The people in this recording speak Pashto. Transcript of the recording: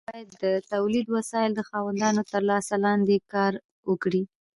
دوی باید د تولیدي وسایلو د خاوندانو تر لاس لاندې کار وکړي.